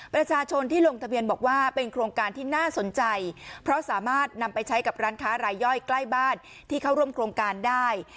ประชาชนที่ลงทะเบียนบอกว่าเป็นโครงการที่น่าสนใจเพราะสามารถนำไปใช้กับร้านค้ารายย่อยใกล้บ้านที่เข้าร่วมโครงการได้